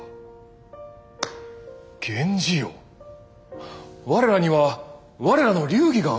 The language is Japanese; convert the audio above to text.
源氏よ我らには我らの流儀があろう。